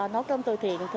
nấu cơm từ thiện